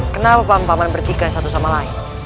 kenapa pak man berjika satu sama lain